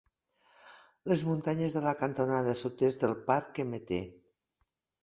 Les muntanyes de la cantonada sud-est del park-Mt.